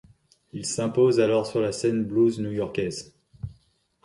Il s'impose alors sur la scène blues new-yorkaise.